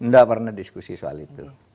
anda pernah diskusi soal itu